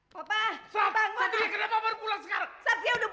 papa bangun satria kenapa